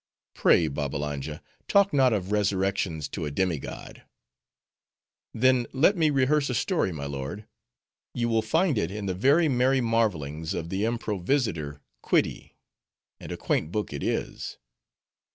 "Pray, Babbalanja, talk not of resurrections to a demi god." "Then let me rehearse a story, my lord. You will find it in the 'Very Merry Marvelings' of the Improvisitor Quiddi; and a quaint book it is.